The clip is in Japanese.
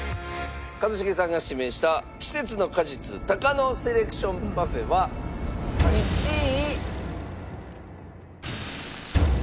一茂さんが指名した季節の果実タカノセレクションパフェは１位。